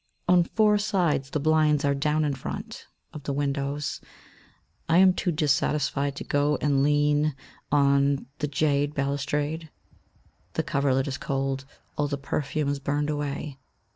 On four sides the blinds are down in front of the windows. I am too dissatisfied to go and lean on the jade balustrade. The coverlet is cold. All the perfume is burned away.